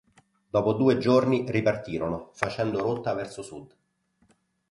Dopo due giorni ripartirono facendo rotta verso sud.